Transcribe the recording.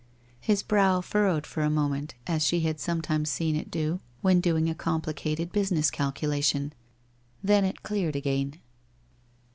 His brow furrowed for a moment as she had sometimes seen it do, when doing a complicated business calculation. Then it cleared again.